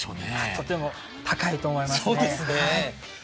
とても高いと思いますね。